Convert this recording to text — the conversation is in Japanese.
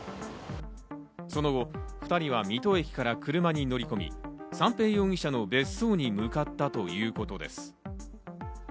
その後、２人は水戸駅から車に乗り込み、三瓶容疑者の別荘に向かったということです。